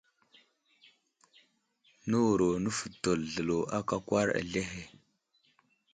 Nə wuro nəfətel zlelo aka akwar azlehe.